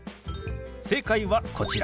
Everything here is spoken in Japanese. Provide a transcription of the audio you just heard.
正解はこちら。